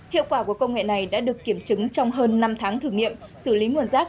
hiệu quả của công nghệ này đã được kiểm chứng trong hơn năm tháng thử nghiệm xử lý nguồn rác